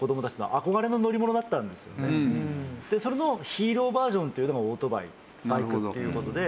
でそれのヒーローバージョンっていうのがオートバイバイクっていう事で。